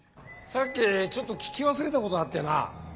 さっきちょっと聞き忘れたことあってな。